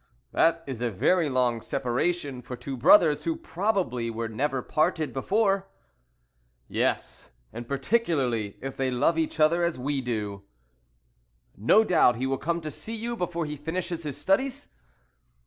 "That is a very long separation for two brothers, who probably were never parted before." "Yes, and particularly if they love each other as we do." "No doubt he will come to see you before he finishes his studies?"